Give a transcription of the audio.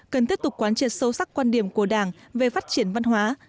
cần tiếp tục quán triệt sâu sắc quan điểm của đảng về phát triển văn hóa